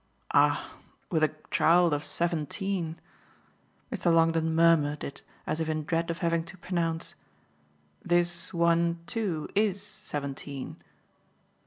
"Ah with a child of seventeen !" Mr. Longdon murmured it as if in dread of having to pronounce. "This one too IS seventeen?"